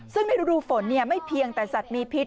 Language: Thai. ซึ่งในฤดูฝนไม่เพียงแต่สัตว์มีพิษ